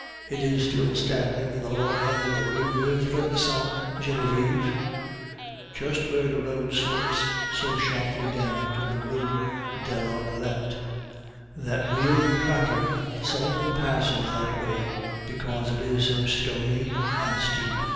It is still standing in the lower end of the Rue Nueve Sainte Genevieve, just where the road slopes so sharply down to the Rue de l'Arbalete, that wheeled traffic seldom passes that way, because it is so stony and steep.